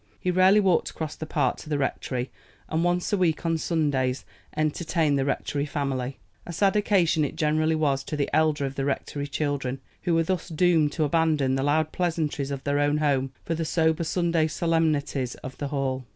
He rarely walked across the park to the rectory, and once a week, on Sundays, entertained the rectory family. A sad occasion it generally was to the elder of the rectory children, who were thus doomed to abandon the loud pleasantries of their own home for the sober Sunday solemnities of the Hall.